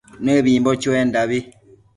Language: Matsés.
Nëbimbo chuendabi